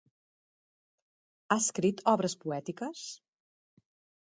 Ha escrit obres poètiques?